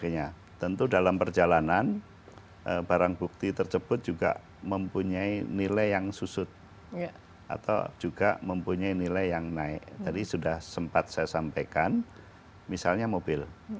nah dalam kasus yang ketiga ini